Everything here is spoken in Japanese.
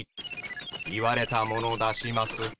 言われたもの出します。